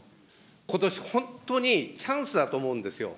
ことし、本当にチャンスだと思うんですよ。